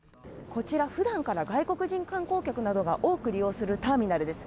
こちら、ふだんから外国人観光客などが多く利用するターミナルです。